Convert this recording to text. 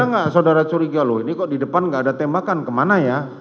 ada gak saudara curiga loh ini kok di depan gak ada tembakan kemana ya